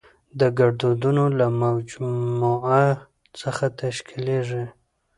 د ګړدودونو له مجموعه څخه تشکېليږي.